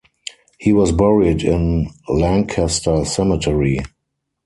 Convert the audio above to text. He was buried in Lancaster Cemetery.